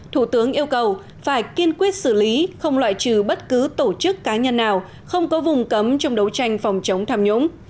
thủ tướng yêu cầu phải kiên quyết xử lý không loại trừ bất cứ tổ chức cá nhân nào không có vùng cấm trong đấu tranh phòng chống tham nhũng